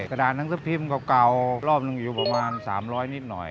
สดานนักศึกภิมพ์เก่ารอบหนึ่งอยู่ประมาณ๓๐๐บาทนิดหน่อย